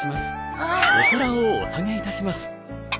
お皿をお下げいたします。